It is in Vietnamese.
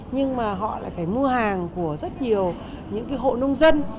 nhưng họ lại phải mua hàng của rất nhiều hộ nông dân